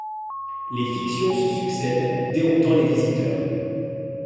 Les fictions se succèdent, déroutant les visiteurs.